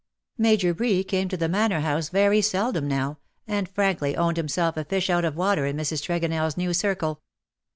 Major Bree came to the Manor House very seldom now, and frankly owned him self a fish out of water in Mrs. TregonelFs new circle.